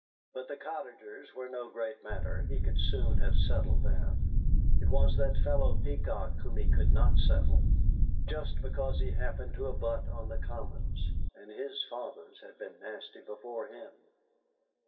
But the cottagers were no great matter he could soon have settled them; it was that fellow Peacock whom he could not settle, just because he happened to abut on the Common, and his fathers had been nasty before him.